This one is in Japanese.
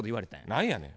何やねん。